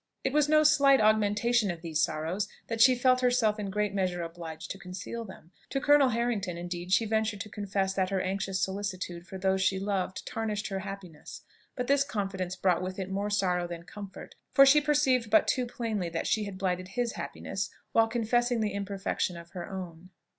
It was no slight augmentation of these sorrows that she felt herself in a great measure obliged to conceal them. To Colonel Harrington, indeed she ventured to confess that her anxious solicitude for those she loved tarnished her happiness: but this confidence brought with it more sorrow than comfort, for she perceived but too plainly that she had blighted his happiness while confessing the imperfection of her own.